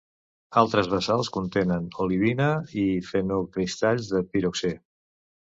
Altres basalts contenen olivina i fenocristalls de piroxè.